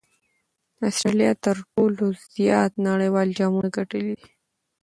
اسټراليا تر ټولو زیات نړۍوال جامونه ګټلي دي.